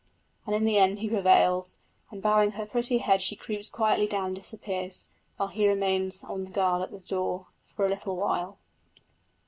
And in the end he prevails; and bowing her pretty head she creeps quietly down and disappears, while he remains on guard at the door for a little while.